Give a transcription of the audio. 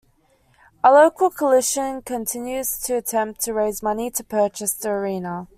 A local coalition continues to attempt to raise money to purchase the arena.